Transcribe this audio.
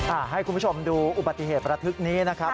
ให้คุณผู้ชมดูอุบัติเหตุประทึกนี้นะครับ